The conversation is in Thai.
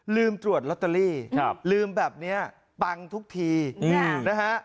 ลืมตรวจลอตเตอรี่ลืมแบบนี้ปังทุกทีนะฮะ